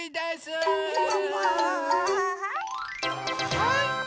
はい。